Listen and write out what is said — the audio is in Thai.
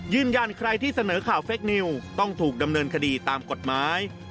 ใครที่เสนอข่าวเฟคนิวต้องถูกดำเนินคดีตามกฎหมาย